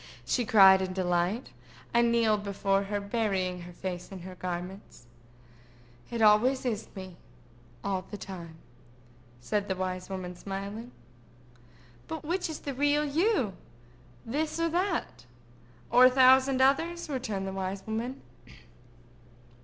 she cried in delight, and kneeled before her, burying her face in her garments. "It always is me, all the time," said the wise woman, smiling. "But which is the real you?" asked Rosamond; "this or that?" "Or a thousand others?" returned the wise woman.